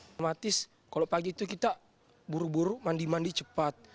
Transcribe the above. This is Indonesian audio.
otomatis kalau pagi itu kita buru buru mandi mandi cepat